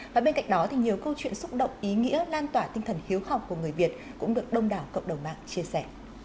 và bên cạnh đó thì nhiều câu chuyện xúc động ý nghĩa lan tỏa tinh thần hiếu học của người việt cũng được đông đảo cộng đồng mạng chia sẻ